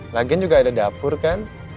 lagian juga ada dapur kan